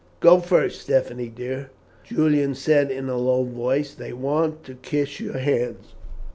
"Go first, Stephanie dear," Julian said in a low voice; "they want to kiss your hands."